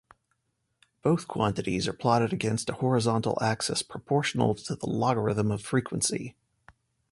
Both quantities are plotted against a horizontal axis proportional to the logarithm of frequency.